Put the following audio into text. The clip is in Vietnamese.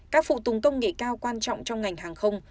các phụ tùng công nghệ cao quan trọng trong ngành hàng không